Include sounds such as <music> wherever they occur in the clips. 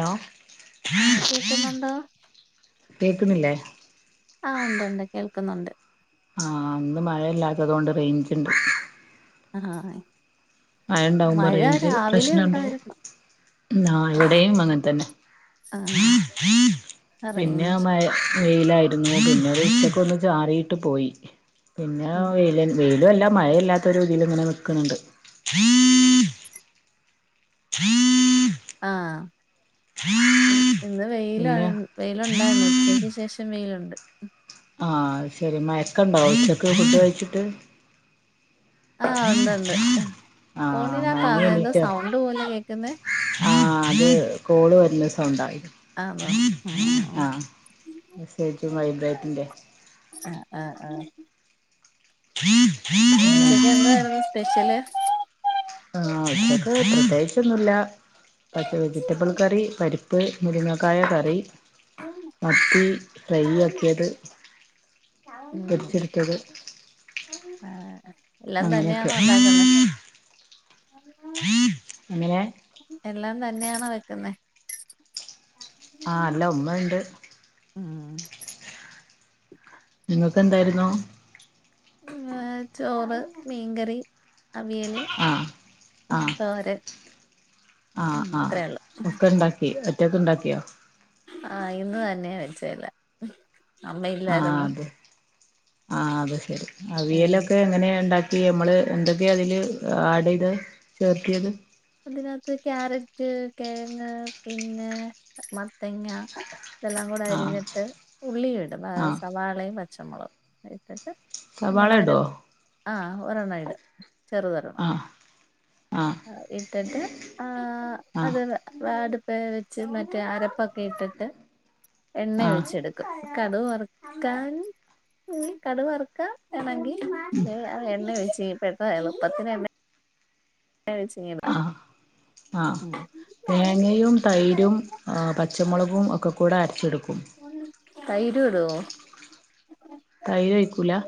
Hello? ആഹ് കേക്കുന്നുണ്ടോ കേക്ക്ണില്ലേ? ആഹ്, ഉണ്ട് ഉണ്ട് കേൾക്കുന്നുണ്ട്. ആ, ഇന്ന് മഴല്ലാത്തതുകൊണ്ട് റേഞ്ച് ഉണ്ട്. ആ, മഴ ഉണ്ടാവുമ്പോ മഴ രാവിലെ ഉണ്ടായിരുന്നു. നാ ഇവിടെയും അങ്ങെ തന്നെ. ആഹ് പിന്നെ റേഞ്ച് മഴ... വെയിലായിരുന്നു, പിന്നെ ഒരു ഉച്ചക്ക് ഒന്ന് ചാറിയിട്ട് പോയി. പിന്നെ ഉം വെയിലന്നെ. വെയിലും അല്ല, മഴല്ലാത്ത ഒരു തീല് ഇങ്ങനെ നിൽക്കുന്നുണ്ട്. ആഹ, ഇന്ന് വെയില പിന്നെ വെയിലുണ്ടായിരുന്നുച്ച ഉച്ചയ്ക്ക് ശേഷം വെയിലുണ്ട്. ആ ശരി, മഴക്കണ്ട ഉച്ചക്ക് ഫുഡ് കഴിച്ചിട്ട്? ആഹ്, ഉണ്ട്ണ്ട്. ആഹ് ഫോണിനാ മയങ്ങി താങ്ങ എന്ത സൗണ്ട് പോലെ കേക്കുന്നേ? ആ, അത് കോള് വരുന്ന സൗണ്ടായിരു ആഹ്, വൈബ്രേറ്റിന്റെ. ആഹ്‌ ആ ആ. <unintelligible> ഉച്ചക്ക് എന്തായിരുന്നു സ്പെഷ്യല്? ആഹ് ഉച്ചക്ക് പ്രത്യേകിച്ചൊന്നുല്ലാ പച്ച വെജിറ്റബ്ൾ കറി പരി പ്പ്, മുരുങ്ങാക്കായ കറി. ഉം മത്തീ ഫ്രൈ ആക്കിയത്. ഉം പൊരിച്ചെടുത്തത് ആഹ്‌. എല്ലാം അങ്ങനെയൊക്കെ തന്നെയാണൊ ഉണ്ടാക്കുന്നേ? അങ്ങനെ എല്ലാം തന്നെയാണോ വെക്കുന്നേ? ആഹ് അല്ല ഉമ്മ ഇണ്ട്. ഉം. നിങ്ങൾക്ക് എന്തായിരുന്നു? ചോറ് മീൻകറി. അവിയല്, ആ ഉം തോരൻ. ആഹ് ഉം ആഹ്‌ ഇത്രേള്ളൂ ഒക്കെ ഉണ്ടാക്കി ഒറ്റക്ക് ഉണ്ടാക്കിയോ? ആഹ്‌ ഇന്ന് തന്നെ വെച്ചല്ലാ. ആഹ്‌ അതെ ആഹ്‌ അതെ ശരി ഏഹ് അവിയലൊക്കെ എങ്ങനെ ഉണ്ടാ നമ്മള് എന്തൊക്കെ അതില് ആഡ്യ്ത് ചേർത്യത്? അതിനകത്ത് ക്യാരറ്റ്, കേഴങ്ങ്, പിന്നെ മത്തങ്ങ ഇതെല്ലാം കൂടെ ആ അരിഞ്ഞിട്ട് ഉള്ളി ഇടും ആ സവാളയും പച്ചമൊളകും ഇട്ടിട്ട് സവാള നമ്മളാരോ ഇടോ ആഹ്‌ ഒരണ്ണയിടും ചെറുത്ടും. അ ‌ ആഹ്‌. ആഹ് ഇട്ട്ട്ട് ആഹ് ആഹ് അത് വേ അടുപ്പേ വെച്ച് മറ്റേ അരപ്പൊക്കേ ഇട്ടിട്ട് എണ്ണേ ആഹ് ഒഴിച്ചെടുക്കും കടുവറുക്കാൻ കടു വറ് ക്കാം വേണങ്കി അത് എണ്ണെ ഒഴിച്ച് പ്പപ്പ എളുപ്പത്തിന് എണ്ണെ നേരേ ച്ചിയ്യ്ണ് ആഹ് ആഹ് തേങ്ങയും തൈരും പച്ചമൊളകും ഒക്ക കൂടെ അരച്ചെടുക്കും. തൈര് ഇടുവോ? തൈര് ഒയ്ക്കൂലാ.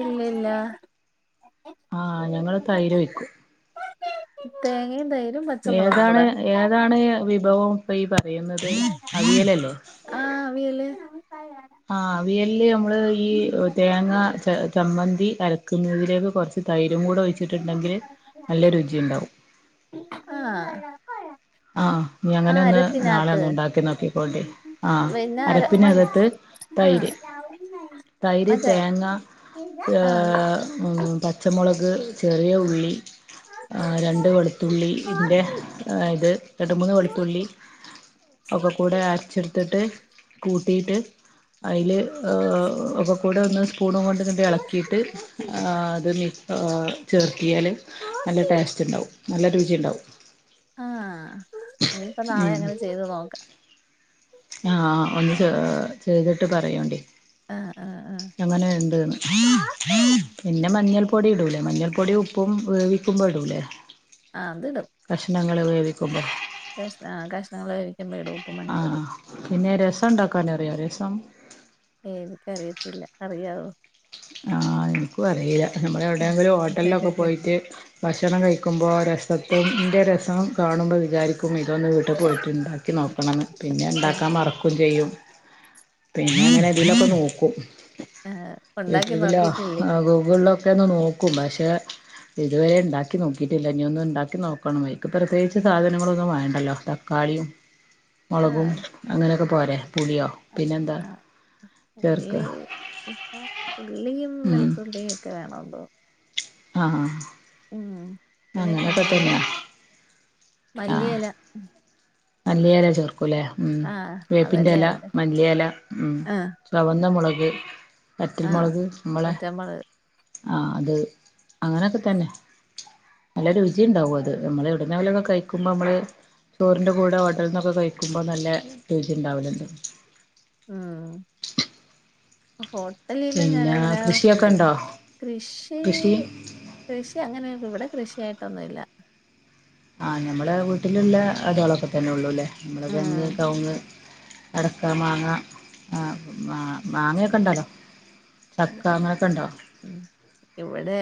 ഇല്ല ഇല്ലാ. ആഹ് ഞങ്ങള് തൈര് ഒഴിക്കും തേങ്ങി തൈ ഏതാണ് ഏതാണ് വിഭവം ഇപ്പോ ഈ പറയുന്നത് അവിയലല്ലേ? ആഹ് അവിയല്. ആഹ് അവിയൽല്ല് ഞമ്മള് ഈ തേങ്ങ ച ചമ്മന്തി അരക്കുന്നതിലേക്ക് കൊർച്ച് തൈരും കൂടെ ഒഴിച്ചിട്ടുണ്ടെങ്കില് നല്ല രുചിയുണ്ടാവും. ആഹ്. ആഹ് നീ അങ്ങനെ ആഹ് ഒന്ന് നാളെ അരപ്പിനകത്ത് ഒന്ന് ഉണ്ടാക്കി നോക്കിക്കോണ്ടി ആഹ് പിന്നെ അര മൻസ് അരപ്പിനകത്ത് ആഹ്. തൈര് തൈര് മറ്റേ തേങ്ങ ഏ ആഹ് ഉം പച്ചമൊളക് ചെറിയ ഉള്ളി ആഹ് രണ്ട് വെളുത്തുള്ളി ന്റെ ഇത് രണ്ട് മൂന്ന് വെളുത്തുള്ളി ഒക്ക കൂടെ അരച്ചെട് ത്തിട്ട് കൂട്ടീട്ട് അയില് ഒക്കകൂട ഒന്ന് പൂണ് കൊണ്ട് ഇതണ്ട് എളക്കീട്ട് ആ അത് മിൽ കാ ചേർത്തിയാല് നല്ല ടേസ്റ്റ്ണ്ടാവും നല്ല രുചിണ്ടാവും. ആഹ് ഇനിയിപ്പം നാളെ ഉം അങ്ങനെ ചെയ്ത് നോക്കാം ആഹ് ഒന്ന് ചെ ആഹ് ചെയ്തിട്ട് പറയെണ്ടി ആഹ് ആഹ് ആഹ് എങ്ങനെ ഉണ്ട്ന്ന് പിന്നെ മഞ്ഞൾ പൊടി ഇടൂലേ മഞ്ഞൾ പൊടി ഉപ്പും വേവിക്കുമ്പോ ഇടൂലേ ആഹ് അതിടും കഷ്ണങ്ങള് വേവിക്കുമ്പം കഷ് ആഹ് കഷ്ണങ്ങള് വോവി ആഹ് പിന്നെ രസം ഉണ്ടാക്കാൻ അറിയോ രസം എനിക്ക് അറിയത്തില്ല അറിയാവോ ആഹ് എനിക്കു അറിയില്ല ഞമ്മള് എവിടെങ്കിലും ഹോട്ടലിലൊക്ക പോയിറ്റ് ഭക്ഷണം കഴിക്കുമ്പോൾ രസത്തും ഇന്റെ രസം കാണുമ്പം വിചാരിക്കും ക്കും ഇതൊന്ന് വീട്ടിൽ പോയിറ്റ് ഇണ്ടാക്കി നോക്കണംന്ന് പിന്നെ ആഹ് ഇണ്ടാക്കാം മറക്കും ചെയ്യും പിന്നെ അങ്ങനെ ഇതിലൊക്കെ നോക്കും ആഹ് യൂട്യൂബിലോ ഗൂഗിളിലൊക്കെ ഒന്ന് നോക്കും പക്ഷേ ഇതുവരെ ഇണ്ടാക്കി നോക്കിയിട്ടില്ല ഇനി ഒന്നും ഇണ്ടാക്കി നോക്കണം അയിക്ക് പ്രത്യേകിച്ച് സാധനങ്ങളൊന്നും വേണ്ടല്ലോ തക്കാളിയും മുളകും ആഹ് അങ്ങന ഒക്ക പോരെ പുളിയോ പിന്നെന്താ ആഹ് ചേർക്ക ഉള്ളി ഉള്ളിയും ഉം വെളുത്തുള്ളിയും ഒക്കെ വേണോന്തോ ആഹ് ഉം പിന്നെ അങ്ങനെയൊക്കെ കായം തന്നെയാ മല്ലി എല മല്ലിയെല ചോർക്കൂല്ലേ ഉം ആഹ് അതല്ലേ വേപ്പിന്റഎല അതിന്റെ മല്ലിയെല ഉം ആഹ് ചൊവന്നമുളക് ആഹ് വറ്റൽമുളക് നമ്മളെ വറ്റൽമുളക് ആഹ് അത് അങ്ങനോക്ക തന്നെ നല്ല രുചിണ്ടാവും അത് ഞമ്മള എവിടന്നേലൊക്കെ കഴിക്കുമ്പം നമ്മള് ചോറിന്റെ കൂടെ ഹോട്ടൽന്നൊക്കെ കഴിക്കുമ്പോ നല്ല രുചി ഉണ്ടാവുലല്ലോ ഉം അ ഹോ ഹേട്ടലിന്ന് ഞാന് പിന്നെ അങ്ങനെ പുഡ് കൃഷിയൊക്കെ ഉണ്ടോ കഴിക്കുല കൃഷി കൃഷി അങ്ങനെ ഇത് ഇവിടെ കൃഷിയായിട്ടൊന്നുല്ല ആഹ് ഞമ്മടെ വീട്ടിലുള്ള അതോളക്കെ തന്നെള്ളൂ അല്ലേ നമ്മടെ തെങ്ങ് ഉം കവുങ്ങ് അടക്കാ മാങ്ങ ആഹ് മാ മാങ്ങയൊക്കെ ഉണ്ടല്ലോ ചക്ക അങ്ങനക്കെ ഉണ്ടോ ഉം ഇവിടെ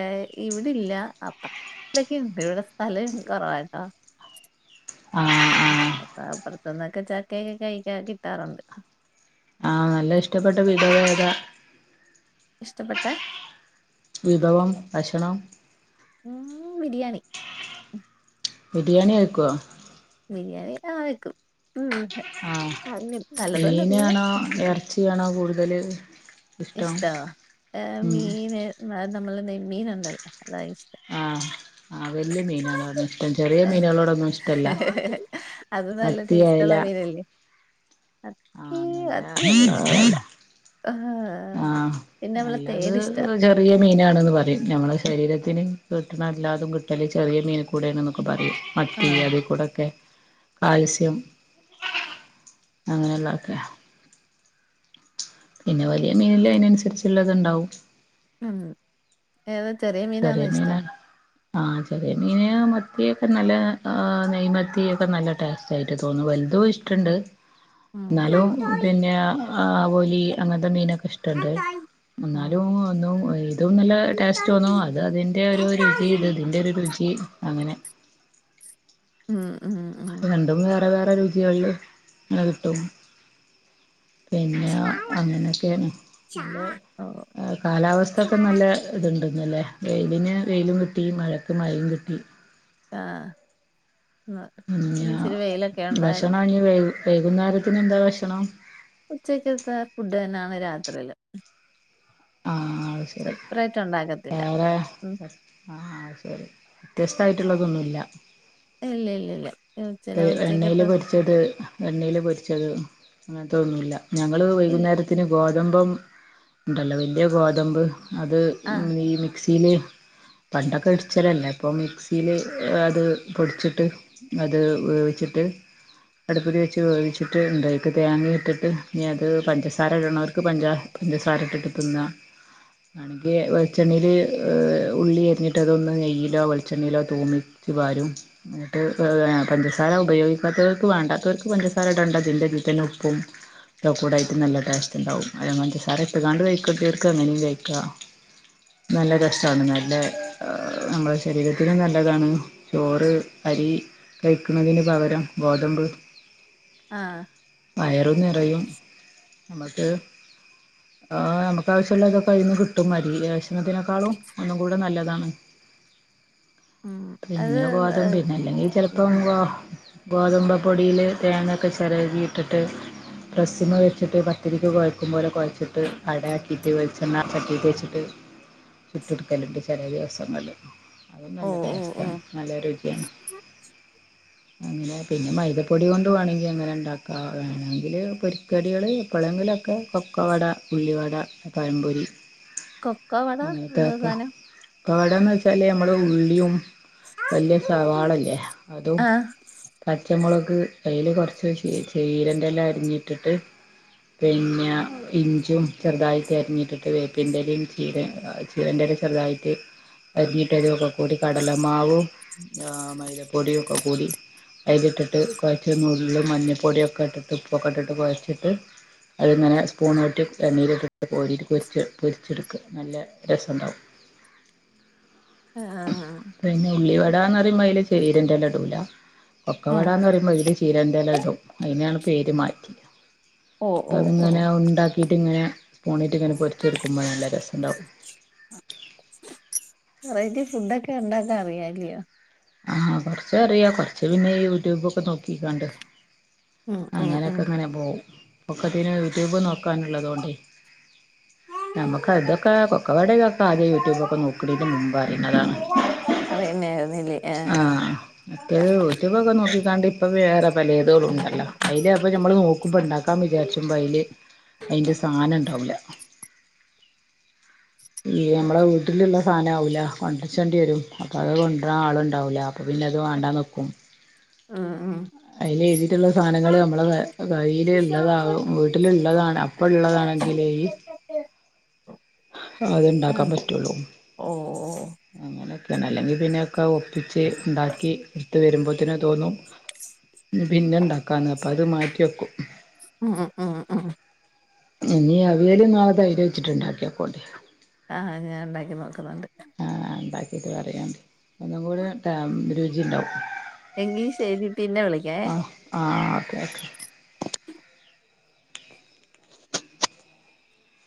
ഇവിടില്ല അപ്പ വീട്ട് ലെക്കെയുണ്ട് ഇവിടെ സ്ഥലം കുറവാട്ടെ ആഹ് ആഹ് ചെലപ്പോ അപ്പുറത്തുന്നൊക്കെ ചക്കയൊക്കെ കഴിക്കാ കിട്ടാറുണ്ട് ആഹ് നല്ല ഇഷ്ടപ്പെട്ട വിധവ ഏതാ ഇഷ്ടപ്പെട്ട വിഭവം ഭക്ഷണം ഉം ബിരിയാണി ബിരിയാണി വെക്കോ ബിരിയാണി ആ വയ്ക്കും ഉം ആഹ് അങ്ങ നല്ലതോല്ല അറില്ല ച്യാണോ കൂടുതല് ഇഷ്ടം ഇഷ്ടോ എ ഉം മീന് നമ്മള നെൻമീൻ ഉണ്ടല്ലേ അതാ ഇഷ്ടം ആഹ് ആഹ് വല്യയ മീനന്നാ പറഞ്ഞേ ഇഷ്ടം ചെറിയ ഏ, മീനുകളോടൊന്നും ഇഷ്ടല്ല അത് അ നല്ല ടേസ്റ്റുള്ള മീനല്ലേ ആഹ് ഹെ മത്തി ഒന്നും ഇഷ്ടല്ല ആഹ് ആഹ് പിന്നെ നമ്മളെ നല്ലത് തേട് ഇഷ്ടാ അ ചെറ് ചെറിയ മീനാണെന്ന് പറയും നമ്മളെ ശരീരത്തിന് കിട്ടണംല്ലാതും കിട്ടല് ചെറിയ മീന് കൂടെ എന്നൊക്കെ പറയും മറ്റേ ആഹ് അതി കൂടൊക്കെ കാൽസ്യം അങ്ങനെയുള്ളതൊക്കെ പിന്നെ വലിയ മീനില്ലെ അയിനനുസരിച്ചുള്ളത്ണ്ടാവും ഹ്ആഹ് ആഹ് ഏതാ ചെറിയ മീ ചെറിയ മീന ആഹ് ചെറിയ മീന് മത്തിയൊക്കെ നല്ല ആഹ് നെയ്മത്തിക്കെ നല്ല ടേസ്റ്റ് ആയിട്ട് തോന്നു വല്തു ഇഷ് ട്ട്ണ്ട് ഉം ഇന്നാലും പിന്നെ ആവോലി അങ്ങനത്തെ മീനൊക്കെ ഇഷ് ട്ട്ണ്ട് എന്നാലും ഒന്നും ഇതും നല്ല ടേസ്റ്റ് തോന്നോ അത് അതിന്റെ ഓരോ രുചി ഇത് ഇതിന്റെ ഒരു രുചി അങ്ങനെ ഉം ഉം രണ്ടും വേറെ വേറെ രുചികളില് ങ്ങനെ ക്കിട്ടും പിന്നെ ഉം അങ്ങനെ കെണ്‌ ചാള നല്ലേ ചാള കാലാവസ്ഥക്കെ നല്ലേ ഇട്ണ്ട് ഇങ്ങലെ വെയിലിന് വെയിലും കിട്ടി മഴക്ക് മഴയും കിട്ടി ആഹ് ന്ന് ഇന്ന് ഇച്ചിരി വെയിലൊക്കെ ഉണ്ടായിരുന്നു മഞ്ഞു വെയി വൈകുന്നേരത്തിന് എന്താ ഭക്ഷണം ഉച്ചക്കത്തെ ഫുഡ് തന്നെ യാണ് രാത്രിയില് ആ അത് ശരി സെപ്പറേറ്റ് ഉണ്ടാകത്തില്ല വേറെ ആഹ് അഹ് ശരി വ്യത്യസ്തമായിട്ടുള്ളതൊന്നുല്ല ഇല്ല ഇല്ല ഇല്ല ഉച്ച ഇപ്പൊ എണ്ണയില് ഉച്ചക്കത്തെ പൊരിച്ചത് എണ്ണയില് പൊരിച്ചത് അങ്ങത്ത ഒന്നു ല്ല ഞങ്ങള് ഇല്ല വൈകുന്നേരത്തിന് ഗോതഭം ണ്ടല്ലോ വല്യയ ഗോതമ്പ് അത് ആഹ് ഈ മി സീല് പണ്ടൊക്കെ ഇടിച്ചല്ലല്ലേ ഇപ്പം മിക്സീല് അത് പൊടിച്ചിട്ട് ത് വെവിച്ച്ട്ട് അടുപ്പത് വെച്ച് വേവിച്ചിട്ട് ഉണ്ടക്ക തേങ്ങ ഇട്ടിട്ട് ഇനി അത് പഞ്ചസാര ഇടന്നോർക്ക് പഞ്ചാ പഞ്ചസാര ഇട്ട്ട്ട് തിന്ന വാണെങ്കി വെളിച്ചെണ്ണയില് ഉള്ളി എരിഞ്ഞിട്ട് അതൊന്ന് നെയ്യിലോ വെളിച്ചെണ്ണയിലോ തൂമി ച്ച് പാരും ഞ്ഞ്ട്ട് <unintelligible> പഞ്ചസാര ഉപയോഗിക്കാത്തവർക്ക് വാണ്ടാത്തോർക്ക് പഞ്ചസാര ഇടണ്ട ഇതിൻ്റെ ഇതിതന്നെ ഉപ്പും ഇതൊക്കെ കൂടേയായിട്ട് നല്ല ടേസ്റ്റ് ഉണ്ടാവും പഞ്ചസാര ഇട്ട്കാണ്ട് കഴിക്കണ്ടോര്ക്ക് അങ്ങനേയും കഴിക്ക നല്ല രസാണ് നല്ലേ നമ്മളെ ശരീരത്തിനും നല്ലതാണ് ചോറ് അരി കഴിക്കുന്നതിന് പകരം ഗോതമ്പ് ആഹ് വയറും നിറയും നമ്മക്ക് ആഹ് നമ്മക്ക് ആവശ്യള്ള ഇതൊക്കെ അയിന്ന് കിട്ടും അരി ഭക്ഷണ ത്തിനേക്കാളും ഒന്നും കൂടെ നല്ലതാണ് ഉം അത് പിന്നെ ഗോതമ്പ്പിന്നെ അല്ലെങ്കി ചെല് ഉം പ്പോ ഗോതമ്പപ്പൊടിയില് തേങ്ങക്കെ ചിരകി ഇട്ടിട്ട് പ്രസ്സ്മ്മെ വെച്ചിട്ട് പത്തിരിക്ക് കൊഴക്കും പോല കൊഴച്ചിട്ട് അടയാക്കിയിട്ട് ചെന്നാർ ചട്ടീക്ക് വെച്ചിട്ട് ചുട്ടെടുക്കലുണ്ട് ചെലേ ദിവസങ്ങളിൽ അതും ഓ നല്ല ഓ ടേസ്റ്റ് ഓ പ്പം നല്ലരുചിയാണ് അങ്ങനെ പിന്നെ മൈദപ്പൊടി കൊണ്ട് വേണമെങ്കിൽ അങ്ങനെ ഉണ്ടാക്ക വേണമെങ്കിൽ പൊരിക്കടികള് എപ്പളങ്കിലൊക്കെ കൊക്കവട ഉള്ളിവട പഴംമ്പൊരി കൊക്കോ വട എന്തോ അങ്ങനത്തെക്കെ സാനം കൊക്കവടാന്ന് വെച്ചാല് നമ്മള് ഉള്ളിയും വല്യ സവാളല്ലേ അതും ആഹ് പച്ചമുളക് അയില് കുറച്ച് ചീരന്റെ എല അരിഞ്ഞി ഇട്ടിട്ട് പിന്നെ ഇഞ്ചിയും ചെറുതായിട്ട് അരിഞ്ഞിട്ടിട്ട് വേപ്പിൻ്റെ എല ചീര ചീരൻ്റെ എലചെറുതായിട്ട് അരിഞ്ഞിട്ട് ഇതൊക്കെ കൂടി കടലമാവും മൈദപ്പൊടിയും ഒക്കെ കൂടി അയില് ഇട്ടിട്ട് കൊഴച്ച് നുള്ള് മഞ്ഞപ്പൊടിയൊക്കെ ഇട്ടിട്ട് ഉപ്പൊക്കെ ഇട്ടിട്ട് കൊഴച്ചിട്ട് അത് ഇങ്ങനെ സ്പൂണോട്ട് എണ്ണയിലിട്ട് കോരിഇടും പൊരിച്ച് പൊരിച്ചെടുക്കും നല്ല രസം ഉണ്ടാവും ആഹ്ആഹ്ആ പിന്നെ ഉള്ളിവടാന്ന് പറയുമ്പോ അതില് ചീരന്റെ ഇല ഇടൂല കൊക്കവട ആഹ് എന്ന് പറയുമ്പോ അതില് ചീ ചീരന്റെ ഇല ഇടും അതിനെയാണ് പേര് മാറ്റി ഓ അപ്പം ഓ ഓ അതിങ്ങനെ ഉണ്ടാ ഇതിങ്ങനെ സ്പൂണിട്ട് ഇങ്ങെനെ പൊരിച്ചെടുക്ക്മ്പോനല്ല രസം ഇണ്ടാവും വെറൈറ്റി ഫുഡൊക്കെ ഉണ്ടാക്കാ അറിയാല്ലിയൊ ആഹ് കൊറച്ച് അറിയ കൊറച്ച് പിന്നെ യൂട്യൂബൊക്കെ നോക്കിക്കാണ്ട് ഉം ഉം ഉം അങ്ങനെയൊക്കെ അങ്ങനെ പോകും ഇപ്പൊക്കത്തിന് യുട്യൂബ് നോക്കാനുള്ളതുകൊണ്ടേ നമുക്ക് അതൊക്കെ കൊക്കവാടൊക്കെ ആദ്യം യൂട്യൂബ് ഒക്കെ നോക്കീണിൻ്റെ മുമ്പ അറീണതാ അറീണ ആയിരുന്നില്ലേ ആഹ് മറ്റേത് യൂട്യൂബൊക്കെ നോക്കിക്കാണ്ട് ഇപ്പ വേറെ പലേതും ഉണ്ടല്ലോ അയില് അപ്പൊ നമ്മൾ നോക്കുമ്പ ഉണ്ടാക്കാൻ വിചാരിച്ചുമ്പൊ അയില് അയിന്റെ സാധനം ഉണ്ടാവൂല ഈ നമ്മളെ വീട്ടിലുള്ള സാധനം ആവൂല കൊണ്ടരിച്ചണ്ടേരും അപ്പൊ അത് കൊണ്ടുരാൻ ആളുണ്ടാവൂല അപ്പോ പിന്ന അത് വാണ്ടാന്ന് വെക്കും ആഹ് ആഹ് അയില് എഴുതിയിട്ടുള്ള സാധനങ്ങള് നമ്മളെ കയ്യില് ള്ളതാ വീട്ടിലുള്ളതാണ ഇപ്പള്ളതാണെങ്കിലേയ് അത് ഇണ്ടാക്കാൻ പറ്റുള്ളൂ ഓ ഓ അങ്ങനെയൊക്കെയാണ് അല്ലെങ്കി പിന്നെക്കെ ഒപ്പിച്ച് ഇണ്ടാക്കി എടുത്ത് വരുമ്പോഴത്തന് തോന്നും പിന്നെ ഉണ്ടാക്കാന്ന് അപ്പം അത് മാറ്റി വെക്കും. ഉം ഉം ഉം ഇനി അവിയലും നാളെ തൈര് വച്ചിട്ടുണ്ടാക്കിനോക്കോണ്ടെ ആഹ് ഞൻ ഉണ്ടാക്കി നോക്കുന്നുണ്ട് ആ ഉണ്ടാക്കിട്ട് പറയാണ്ട് ഒന്നും കൂടി ട്ടാ രുചി ഉണ്ടാവും എങ്കീ ശരി പിന്നെ വിളിക്കാ ഏ ആഹ് ഓക്കെ ഓക്കെ